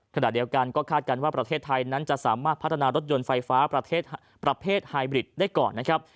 ขณะเดียวกันก็คาดกันว่าประเทศไทยนั้นจะสามารถพัฒนารถยนต์ไฟฟ้าประเทศไฮบริดได้ก่อนนะครับ